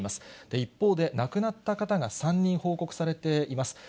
一方で、亡くなった方が３人報告されています。